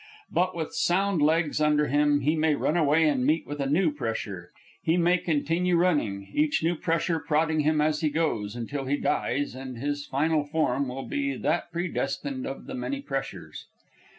But, with sound legs under him, he may run away, and meet with a new pressure. He may continue running, each new pressure prodding him as he goes, until he dies and his final form will be that predestined of the many pressures.